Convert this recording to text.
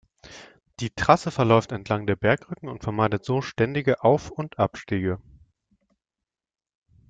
Die Trasse verläuft entlang der Bergrücken und vermeidet so ständige Auf- und Abstiege.